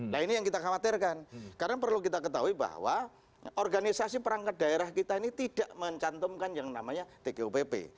nah ini yang kita khawatirkan karena perlu kita ketahui bahwa organisasi perangkat daerah kita ini tidak mencantumkan yang namanya tgupp